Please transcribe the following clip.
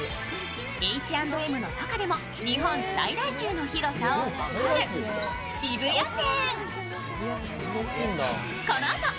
Ｈ＆Ｍの中でも日本最大級の広さを誇る渋谷店。